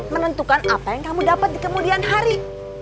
menentukan apa yang kamu dapat di kemudian hari